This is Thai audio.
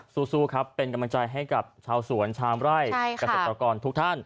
สู้ครับเป็นกำลังใจให้กับชาวสวนชามไร่เกษตรกรทุกท่าน